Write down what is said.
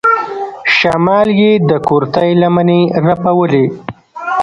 شمال يې د کورتۍ لمنې رپولې.